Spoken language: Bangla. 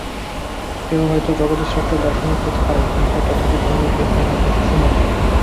কেহ হয়তো জগতে শ্রেষ্ঠ দার্শনিক হইতে পারেন, কিন্তু তথাপি ধর্ম-বিষয়ে তিনি হয়তো শিশুমাত্র।